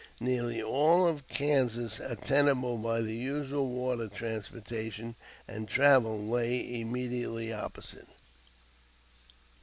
Nearly all of Kansas attainable by the usual water transportation and travel lay immediately opposite.